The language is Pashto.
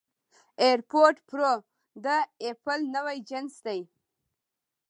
اېرفوډ پرو د اېپل نوی جنس دی